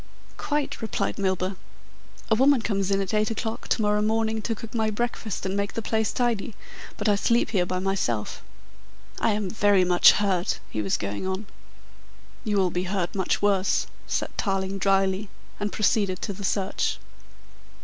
"Quite," replied Milburgh. "A woman comes in at eight o'clock to morrow morning to cook my breakfast and make the place tidy, but I sleep here by myself. I am very much hurt," he was going on. "You will be hurt much worse," said Tarling dryly and proceeded to the search.